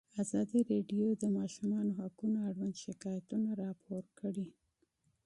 ازادي راډیو د د ماشومانو حقونه اړوند شکایتونه راپور کړي.